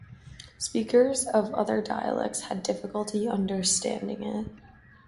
Speakers of other dialects had difficulty understanding it.